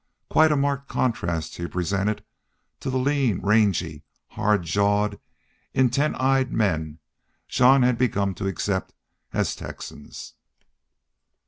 Quite a marked contrast he presented to the lean, rangy, hard jawed, intent eyed men Jean had begun to accept as Texans.